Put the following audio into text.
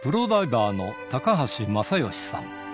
プロダイバーの高橋正祥さん。